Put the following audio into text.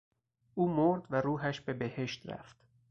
او مرد و روحش به بهشت رفت.